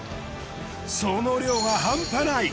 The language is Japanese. その量は半端ない。